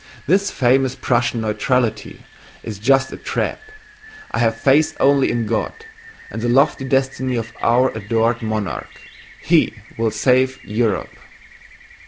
This famous Prussian neutrality is just a trap. I have faith only in God and the lofty destiny of our adored monarch. He will save Europe!"